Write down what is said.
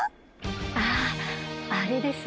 あああれですね。